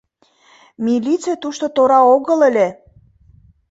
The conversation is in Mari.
Милиций тушто тора огыл ыле.